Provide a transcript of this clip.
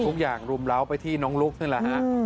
ทุกอย่างรุมเลาไปที่น้องลุ๊กนี่แหละ